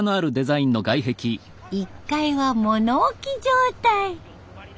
１階は物置き状態。